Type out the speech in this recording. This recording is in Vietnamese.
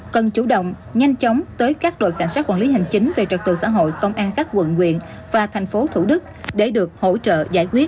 cần chủ động nhanh chóng tới các đội cảnh sát quản lý hành chính về trật tự xã hội công an các quận quyện và thành phố thủ đức để được hỗ trợ giải quyết